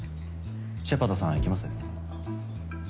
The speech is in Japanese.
シェパードさんいきます？